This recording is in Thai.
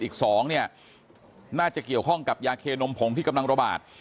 อีก๒เนี่ยน่าจะเกี่ยวข้องกับยาเคนมผงที่กำลังระบาด